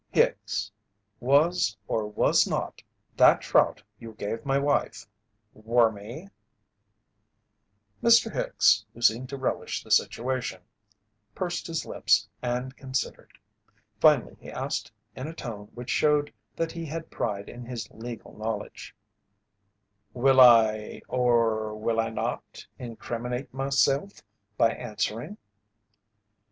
"Hicks, was, or was not, that trout you gave my wife, wormy?" Mr. Hicks, who seemed to relish the situation, pursed his lips and considered. Finally he asked in a tone which showed that he had pride in his legal knowledge: "Will I or will I not incriminate myself by answering?"